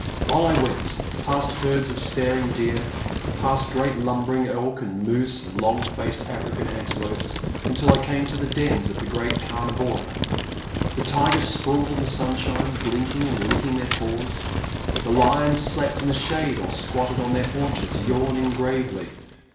On I went, past herds of staring deer, past great lumbering elk, and moose, and long faced African antelopes, until I came to the dens of the great camivora. The tigers sprawled in the stmshine, blinking and licking their paws ; the lions slept in the shade or squatted on their haunches, yawning gravely.